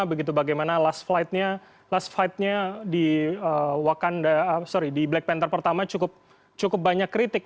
begitu bagaimana last flight nya di black panth pertama cukup banyak kritik